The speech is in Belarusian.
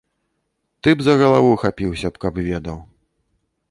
Ты б за галаву хапіўся б, каб ведаў.